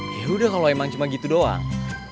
yaudah kalo emang cuma gitu doang